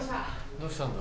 どうしたんだ？